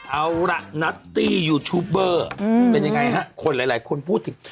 เอาล่ะนัตตี้ยูบเบอร์เป็นยังไงฮะคนหลายคนพูดถึง